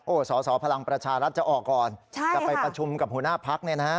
สอสอพลังประชารัฐจะออกก่อนจะไปประชุมกับหัวหน้าพักเนี่ยนะฮะ